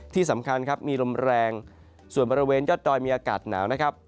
ที่สำคัญครับมีลมแรงส่วนบริเวณยอดดอยมีอากาศหนาวนะครับ